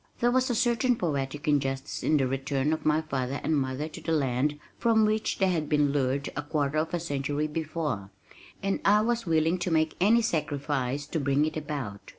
There was a certain poetic justice in the return of my father and mother to the land from which they had been lured a quarter of a century before, and I was willing to make any sacrifice to bring it about.